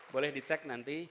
boleh dicek nanti